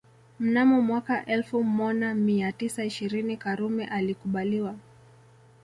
Mnamo mwaka elfu Mona mia tisa ishirini Karume alikubaliwa